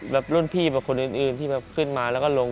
แบบรุ่นพี่คนอื่นที่ขึ้นมาแล้วก็ลง